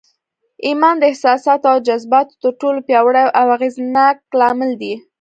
ايمان د احساساتو او جذباتو تر ټولو پياوړی او اغېزناک لامل دی.